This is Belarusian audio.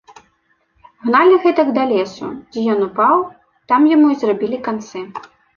Гналі гэтак да лесу, дзе ён упаў, там яму і зрабілі канцы.